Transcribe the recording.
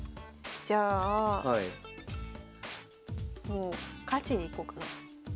もう勝ちにいこうかな。